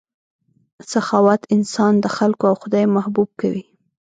سخاوت انسان د خلکو او خدای محبوب کوي.